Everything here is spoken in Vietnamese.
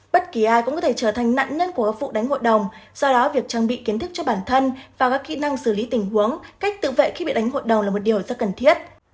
bất kỳ ai cũng có thể trở thành nạn nhân của các vụ đánh hội đồng do đó việc trang bị kiến thức cho bản thân và các kỹ năng xử lý tình huống cách tự vệ khi bị đánh hội đồng là một điều rất cần thiết